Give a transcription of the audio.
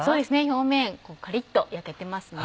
表面カリっと焼けてますね。